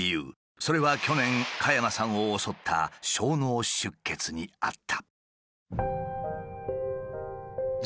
それは去年加山さんを襲った小脳出血にあった。